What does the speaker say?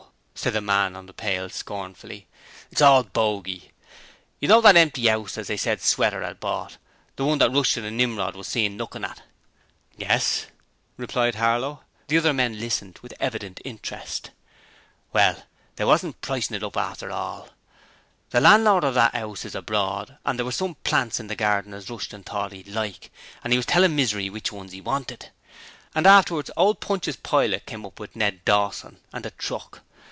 said the man on the pail scornfully. 'It's all bogy. You know that empty 'ouse as they said Sweater 'ad bought the one that Rushton and Nimrod was seen lookin' at?' 'Yes,' replied Harlow. The other men listened with evident interest. 'Well, they wasn't pricing it up after all! The landlord of that 'ouse is abroad, and there was some plants in the garden as Rushton thought 'e'd like, and 'e was tellin' Misery which ones 'e wanted. And afterwards old Pontius Pilate came up with Ned Dawson and a truck.